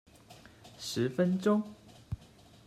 十分鐘